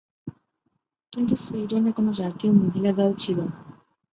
কিন্তু সুইডেনে কোন জাতীয় মহিলা দল ছিল না।